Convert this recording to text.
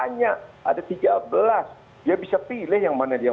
jadi jangan karena dia tidak mau naik ini dia mau naik ini terus dia masalahkan